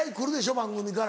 番組から。